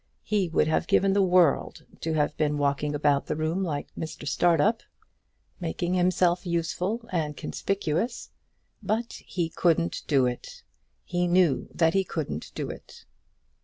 He would have given the world to have been walking about the room like Startup, making himself useful and conspicuous; but he couldn't do it he knew that he couldn't do it.